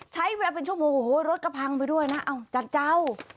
ใช้เวลาเป็นชั่วโมงโอ้โหรถก็พังไปด้วยนะเอาจัดเจ้า